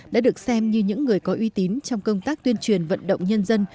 đã được xem như những người có uy tín trong công tác tuyên truyền vận động nhân dân